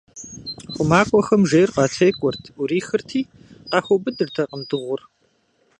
Хъумакӏуэхэм жейр къатекӀуэрт, Ӏурихырти, къахуэубыдыртэкъым дыгъур.